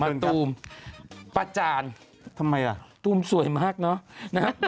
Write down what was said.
มะตูมประจานตูมสวยมากนะทำไมครับ